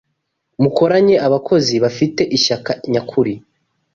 Mukoranye abakozi bafite ishyaka nyakuri